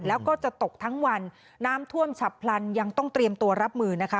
แล้วก็จะตกทั้งวันน้ำท่วมฉับพลันยังต้องเตรียมตัวรับมือนะคะ